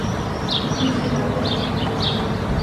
И презирает еще.